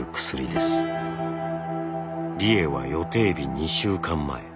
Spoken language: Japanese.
理栄は予定日２週間前。